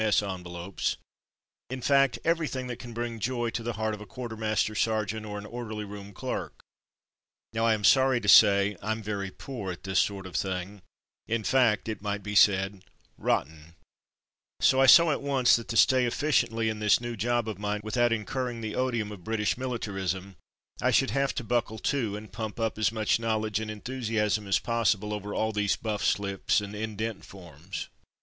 M.S. envelopes; in fact everything that can bring joy to the heart of a quartermaster sergeant or an orderly room clerk. Now I am sorry to say io6 My New Job 107 Tm very poor at this sort of thing, in fact it might be said, rotten; so I saw at once that to stay efficiently in this new job of mine, without incurring the odium of British miHtarism, I should have to buckle to, and pump up as much knowledge and enthusi asm as possible over all these buff slips and indent forms.